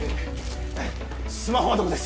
スマホはどこです？